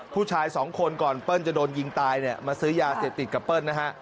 ผู้ชายสองคนก่อนเปิ้ลจะโดนยิงตายเนี่ยมาซื้อยาเสพติดกับเปิ้ลนะฮะ